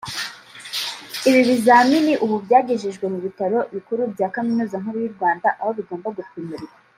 Ibi bizamini ubu byagejejwe mu bitaro bikuru bya Kaminuza Nkuru y’u Rwanda aho bigomba gupimirwa